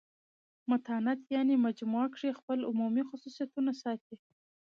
متانت یعني مجموع کښي خپل عمومي خصوصیتونه ساتي.